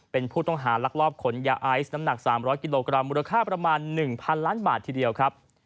เป็นผู้ต้องหาลักลอบขนยาไอซ์น้ำหนัก๓๐๐กิโลกรัมมูลค่าประมาณ๑๐๐ล้านบาททีเดียวครับ